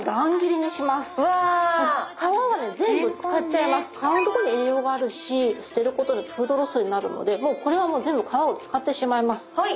皮のとこに栄養があるし捨てることでフードロスになるのでこれは全部皮を使ってしまいます。